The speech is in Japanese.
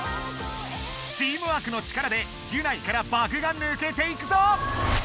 チームワークの力でギュナイからバグがぬけていくぞ！